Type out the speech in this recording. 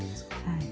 はい。